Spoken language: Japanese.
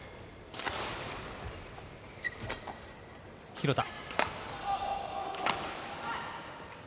廣田。